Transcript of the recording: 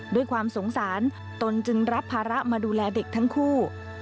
ด้วยความสงสารตนจึงรับภาระมาดูแลเด็กทั้งคู่